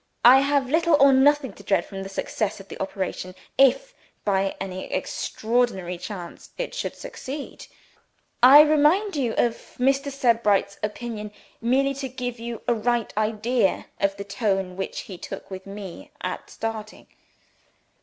I have little or nothing to dread from the success of the operation if, by any extraordinary chance, it should succeed. I remind you of Mr. Sebright's opinion merely to give you a right idea of the tone which he took with me at starting.